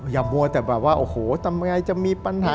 มัวแต่แบบว่าโอ้โหทำไงจะมีปัญหา